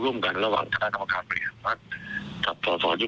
เป็นข้างข่าวที่เลือกข่าวอยู่